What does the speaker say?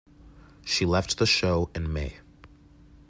She left the show in May.